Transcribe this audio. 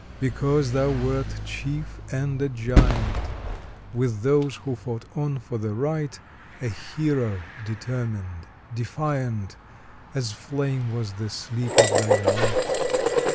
Because thou wert chief and a giant With those who fought on for the right A hero determined, defiant; As flame was the sleep of thy might.